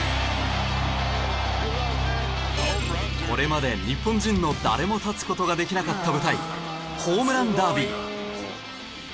これまで日本人の誰も立つ事ができなかった舞台ホームランダービー。